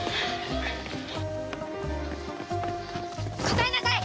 答えなさい